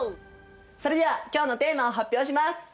それでは今日のテーマを発表します！